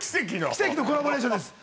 奇跡のコラボレーションです。